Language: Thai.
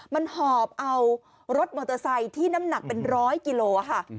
มันหอบเอารถมอเตอร์ไซค์ที่น้ำหนักเป็นร้อยกิโลค่ะ